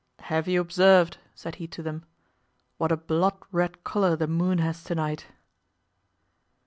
"Have you observed," said he to them, "what a blood red color the moon has to night?"